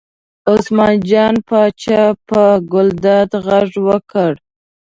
عثمان جان پاچا په ګلداد غږ وکړ.